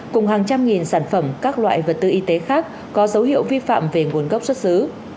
cùng hàng trăm nghìn sản phẩm các loại vật tư y tế khác có dấu hiệu vi phạm về nguồn gốc xuất xứ